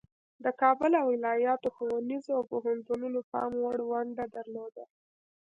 د کابل او ولایاتو ښوونځیو او پوهنتونونو پام وړ ونډه درلوده.